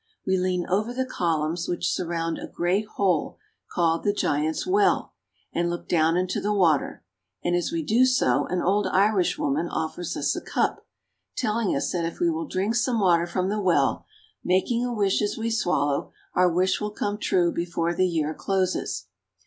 We lean over the columns which surround a great hole called the giant's well, and look down into the water; and as we do so an old Irish woman offers us a cup, telling us that if we will drink some water from the well, making a wish as we swallow, our wish will come true before the year closes.